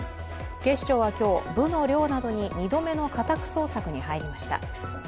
警視庁は今日、部の寮などに２度目の家宅捜索に入りました。